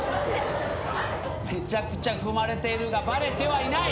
めちゃくちゃ踏まれているがバレてはいない。